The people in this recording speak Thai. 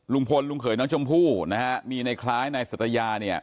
ลุงพลลุงเผยน้องชมพู่มีในคล้ายนายสัตยา